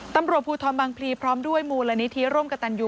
ตำรวจภูทรบางพลีพร้อมด้วยมูลนิธิร่วมกับตันยู